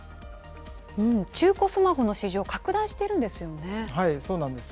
中古スマホの市場、拡大してそうなんです。